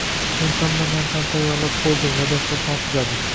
“Men hamma narsani tayyorlab bo‘ldim va dasturxon tuzadim